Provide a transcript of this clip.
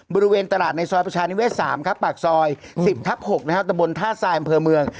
บริเวณตลาดในซอยประชานิเวศ๓ครับปากซอย๑๐ทับ๖นะครับตะบนท่าทรายอำเภอเมือง